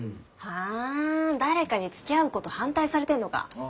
はあ誰かにつきあうこと反対されてんのか？